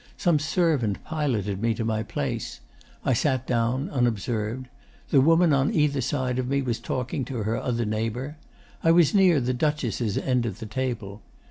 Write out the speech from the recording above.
Some servant piloted me to my place. I sat down unobserved. The woman on either side of me was talking to her other neighbour. I was near the Duchess' end of the table.